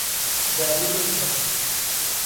যাবি কোথায়?